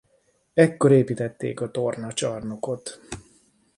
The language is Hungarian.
Ekkor építették a tornacsarnokot.